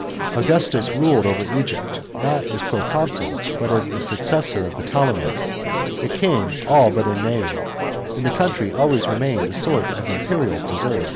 Augustus ruled over Egypt, not as proconsul, but as a successor of the Ptolemies, a king all but in name ; and the country always remained a sort of imperial preserve.